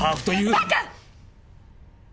バカ！